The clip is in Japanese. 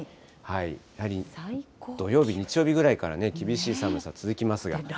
やはり土曜日、日曜日ぐらいから厳しい寒さ続きますが。